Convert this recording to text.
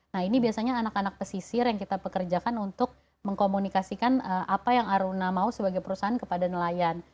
nah ini biasanya anak anak pesisir yang kita pekerjakan untuk mengkomunikasikan apa yang aruna mau sebagai perusahaan kepada nelayan